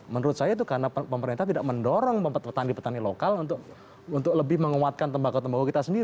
menurut saya itu karena pemerintah tidak mendorong petani petani lokal untuk lebih menguatkan tembakau tembakau kita sendiri